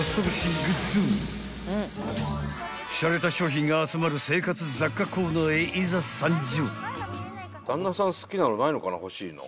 ［しゃれた商品が集まる生活雑貨コーナーへいざ参上］